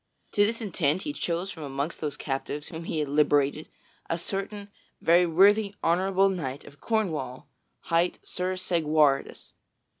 To this intent he chose from amongst those captives whom he had liberated a certain very worthy honorable knight of Cornwall hight Sir Segwarides.